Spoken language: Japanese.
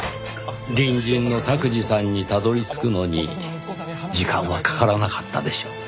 隣人の卓司さんにたどり着くのに時間はかからなかったでしょう。